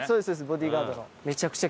ボディーガードの。